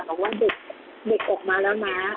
บอกว่าเด็กออกมาแล้วนะ